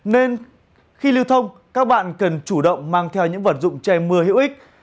nên khi lưu thông các bạn cần chủ động mang theo những vật dụng che mưa hữu ích